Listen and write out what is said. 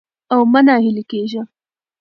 او مه ناهيلي کېږئ